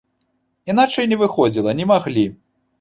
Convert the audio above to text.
Іначай не выходзіла, не маглі.